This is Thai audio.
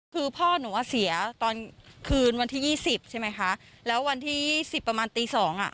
คือพ่อหนูอ่ะเสียตอนคืนวันที่ยี่สิบใช่ไหมคะแล้ววันที่สิบประมาณตีสองอ่ะ